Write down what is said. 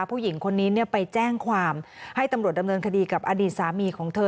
ผู้หญิงคนนี้ไปแจ้งความให้ตำรวจดำเนินคดีกับอดีตสามีของเธอ